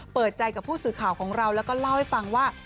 เปิดใจกับผู้สื่อข่าวของเราแล้วก็เล่าให้ฟังว่า